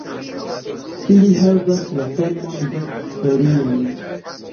Ili havas la formon de folioj.